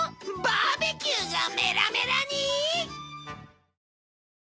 バーベキューがメラメラに！？